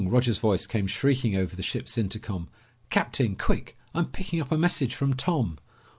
Roger's voice came shrieking over the ship's intercom. "Captain! Quick! I'm picking up a message from Tom!"